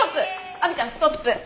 亜美ちゃんストップ！